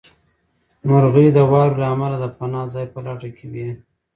مرغۍ د واورې له امله د پناه ځای په لټه کې وې.